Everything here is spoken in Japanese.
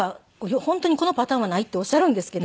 本当にこのパターンはないっておっしゃるんですけど。